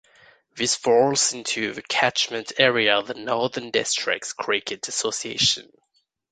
This falls into the catchment area of the Northern Districts Cricket Association.